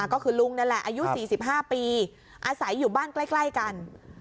ก็คือลุงนั่นแหละอายุ๔๕ปีอาศัยอยู่บ้านใกล้กัน